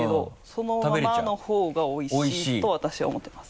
そのままのほうがおいしいと私は思ってます。